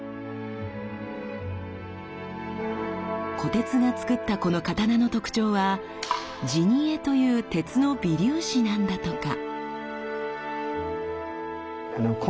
虎徹がつくったこの刀の特徴は地沸という鉄の微粒子なんだとか。